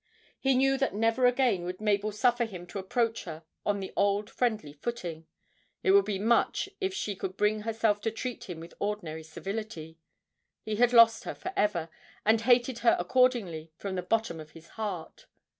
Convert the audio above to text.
He knew that never again would Mabel suffer him to approach her on the old friendly footing it would be much if she could bring herself to treat him with ordinary civility he had lost her for ever, and hated her accordingly from the bottom of his heart.